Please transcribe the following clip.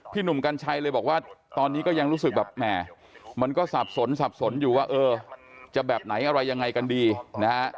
หนุ่มกัญชัยเลยบอกว่าตอนนี้ก็ยังรู้สึกแบบแหมมันก็สับสนสับสนอยู่ว่าเออจะแบบไหนอะไรยังไงกันดีนะฮะ